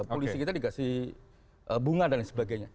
polisi kita dikasih bunga dan lain sebagainya